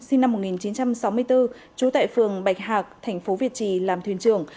sinh năm một nghìn chín trăm sáu mươi bốn trú tại phường bạch hạc tp việt trì làm thuyền trưởng